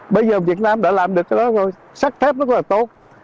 bây giờ việt nam đã làm được cái đó rồi sắt thép rất là tốt